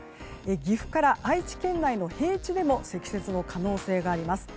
岐阜から愛知県内の平地でも積雪の可能性があります。